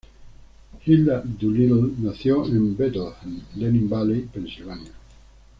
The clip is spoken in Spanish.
Hilda Doolittle nació en Bethlehem, Lehigh Valley, Pensilvania.